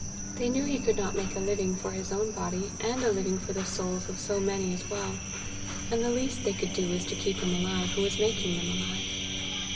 They knew he could not make a living for his own body and a living for the souls of so many as well, and the least they could do was to keep him alive who was making them alive.